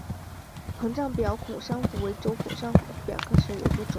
膨胀表孔珊瑚为轴孔珊瑚科表孔珊瑚属下的一个种。